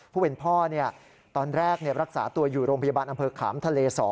ผู้เป็นพ่อตอนแรกรักษาตัวอยู่โรงพยาบาลอำเภอขามทะเล๒